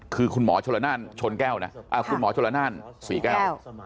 คือคุณหมอชนแก้วนะอ่ะคุณหมอชนละน่านสี่แก้ว